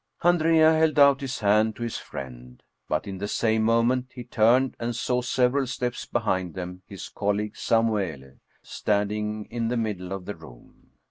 Andrea held out his hand to his friend. But in the same moment he turned and saw, several steps behind them, his colleague Samuele standing in the middle of the room.